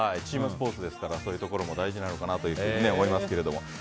チームスポーツですからそういうところも大事なのかと思いますけども。